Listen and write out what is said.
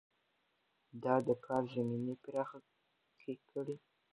ده د کار زمينې پراخې کړې.